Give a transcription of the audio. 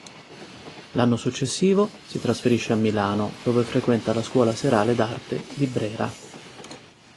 L'anno successivo si trasferisce a Milano, dove frequenta la scuola serale d'arte di Brera.